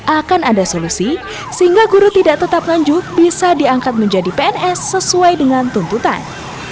akan ada solusi sehingga guru tidak tetap lanjut bisa diangkat menjadi pns sesuai dengan tuntutan